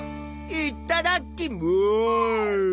いただきます！